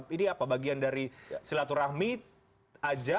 ini apa bagian dari silaturahmi aja